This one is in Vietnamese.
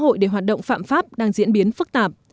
dùng mạng xã hội để hoạt động phạm pháp đang diễn biến phức tạp